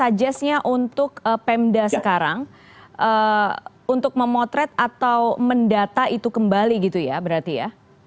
apa sajasnya untuk pemda sekarang untuk memotret atau mendata itu kembali gitu ya berarti ya